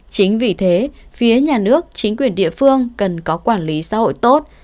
chính vì thế phía nhà nước chính quyền địa phương cần có quản lý xã hội tốt